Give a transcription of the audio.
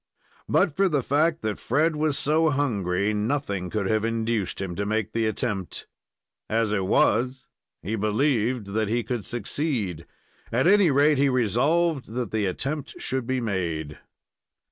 But for the fact that Fred was so hungry, nothing could have induced him to make the attempt. As it was, he believed that he could succeed. At any rate, he resolved that the attempt should be made.